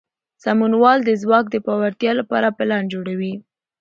سمونوال د ځواک د پیاوړتیا لپاره پلان جوړوي.